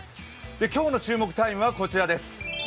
今日の注目タイムはこちらです。